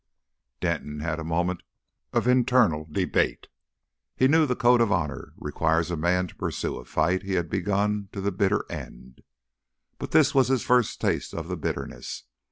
Denton had a moment of internal debate. He knew the code of honour requires a man to pursue a fight he has begun to the bitter end; but this was his first taste of the bitterness.